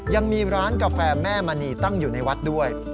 ยังมีร้านกาแฟแม่มณีตั้งอยู่ในวัดด้วย